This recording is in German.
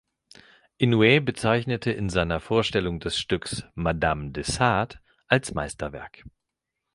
Inoue bezeichnete in seiner Vorstellung des Stücks "Madame de Sade" als Meisterwerk.